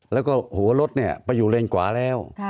แล้วก็หัวรถไปอยู่เลนขวาแล้ว